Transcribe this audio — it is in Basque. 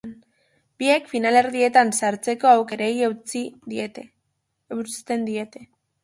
Biek finalerdietan sartzeko aukerrei eusten diete.